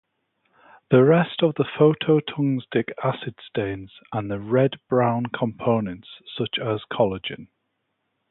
The rest of the phosphotungstic acid stains the red-brown components, such as collagen.